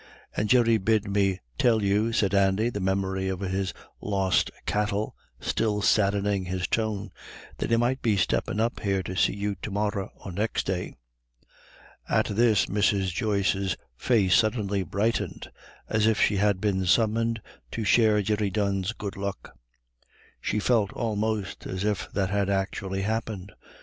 "And Jerry bid me tell you," said Andy, the memory of his lost cattle still saddening his tone, "that he might be steppin' up here to see you to morra or next day." At this Mrs. Joyce's face suddenly brightened, as if she had been summoned to share Jerry Dunne's good luck. She felt almost as if that had actually happened.